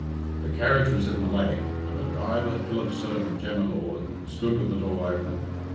The carriage was in the lane, and the driver Philip's servant, Jem y Lord stood with the door open.